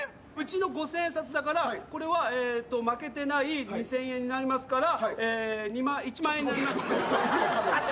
うちの五千円札だからこれはまけてない２，０００円になりますからえー１万円になりますね。